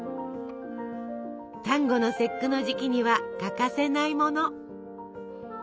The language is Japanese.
端午の節句の時期には欠かせないもの。